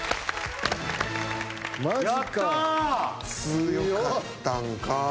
強かったんか。